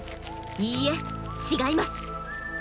いいえ違います！